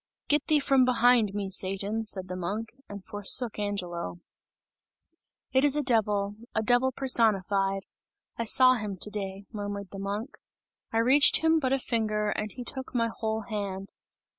"Get thee from behind me, Satan!" said the monk, and forsook Angelo. "It is a devil, a devil personified! I saw him to day," murmured the monk, "I reached him but a finger, and he took my whole hand!